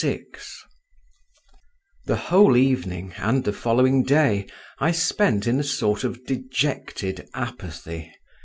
VI The whole evening and the following day I spent in a sort of dejected apathy.